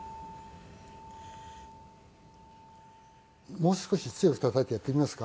もう少し強くたたいてやってみますか？